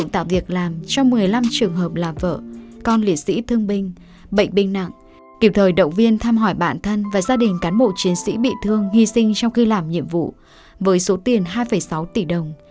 tạo việc làm cho một mươi năm trường hợp là vợ con liệt sĩ thương binh bệnh binh nặng kịp thời động viên thăm hỏi bản thân và gia đình cán bộ chiến sĩ bị thương hy sinh trong khi làm nhiệm vụ với số tiền hai sáu tỷ đồng